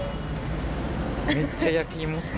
めっちゃ焼き芋。